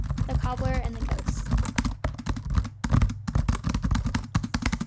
THE COBBLER AND THE GHOSTS.